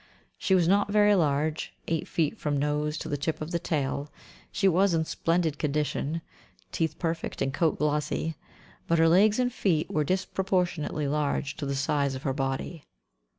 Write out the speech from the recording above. She was not very large, eight feet from nose to the tip of the tail; she was in splendid condition teeth perfect and coat glossy but her legs and feet were disproportionately large to the size of her body.